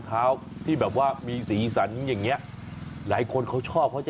เท้าที่แบบว่ามีสีสันอย่างเงี้ยหลายคนเขาชอบเขาจะ